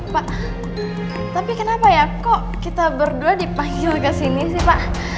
pak tapi kenapa ya kok kita berdua dipanggil ke sini sih pak